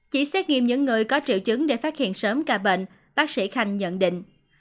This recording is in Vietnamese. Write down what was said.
chỉ xét nghiệm những người có triệu chứng để phát hiện sớm ca bệnh bác sĩ khanh nhận định